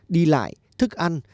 đi lại thức ăn